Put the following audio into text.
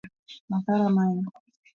Laka rama ahinya